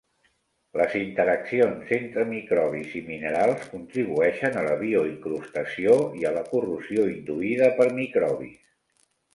Les interaccions entre microbis i minerals contribueixen a la bioincrustació i a la corrosió induïda per microbis.